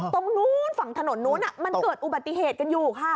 ตรงนู้นฝั่งถนนนู้นมันเกิดอุบัติเหตุกันอยู่ค่ะ